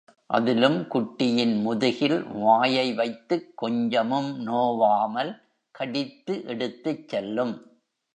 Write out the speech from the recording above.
அதிலும் குட்டியின் முதுகில் வாயை வைத்துக் கொஞ்சமும் நோவாமல் கடித்து எடுத்துச் செல்லும்.